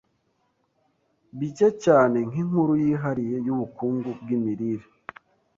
bike cyane nkinkuru yihariye yubukungu bwimirire.